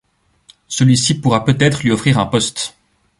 Celui-ci pourra peut-être lui offrir un poste.